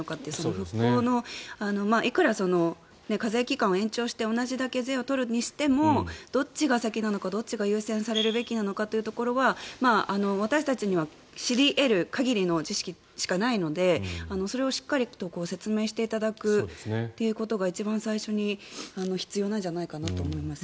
復興のいくら課税期間を延長して同じだけ税を取るにしてもどっちが先なのかどっちが優先されるべきなのかというところは私たちには知り得る限りの知識しかないのでそれをしっかりと説明していただくということが一番最初に必要じゃないかなと思いますね。